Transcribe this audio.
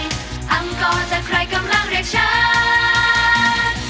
ทำก่อนจากใครกำลังเรียกฉัน